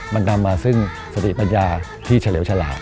มันนำมาซึ่งสติปัญญาที่เฉลี่ยวฉลาด